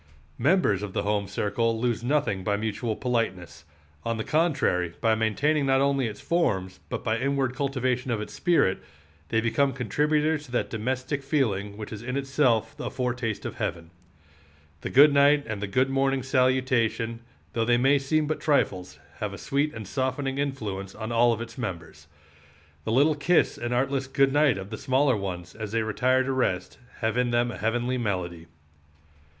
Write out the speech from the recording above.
Members of the home circle lose nothing by mutual politeness; on the contrary, by maintaining not only its forms, but by inward cultivation of its spirit, they become contributors to that domestic feeling which is in itself a foretaste of heaven. The good night and the good morning salutation, though they may seem but trifles, have a sweet and softening influence on all its members. The little kiss and artless good night of the smaller ones, as they retire to rest, have in them a heavenly melody.